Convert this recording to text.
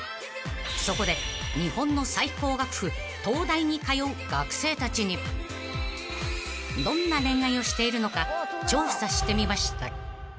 ［そこで日本の最高学府東大に通う学生たちにどんな恋愛をしているのか調査してみました］